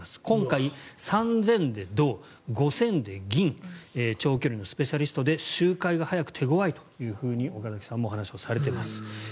今回３０００ｍで銅５０００ｍで銀長距離のスペシャリストで周回が速く、手ごわいと岡崎さんもお話しされています。